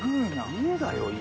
家だよ家。